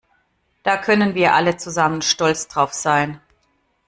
Da können wir alle zusammen stolz drauf sein!